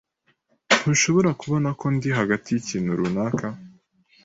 Ntushobora kubona ko ndi hagati yikintu runaka?